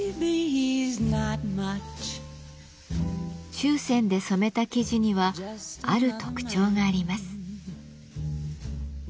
注染で染めた生地にはある特徴があります。